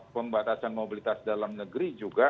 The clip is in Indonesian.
pembatasan mobilitas dalam negeri juga